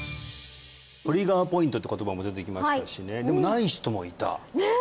トリガーポイントって言葉も出てきましたしねでもない人もいたねえ